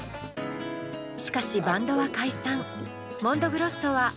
しかしバンドは解散。